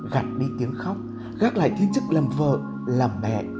gặt đi tiếng khóc gác lại tin chức làm vợ làm mẹ